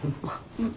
うん。